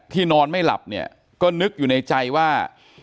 นอนไม่หลับเนี่ยก็นึกอยู่ในใจว่า